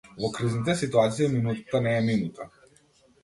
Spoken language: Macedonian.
Во кризните ситуации минутата не е минута.